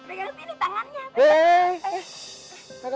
pegang sini tangannya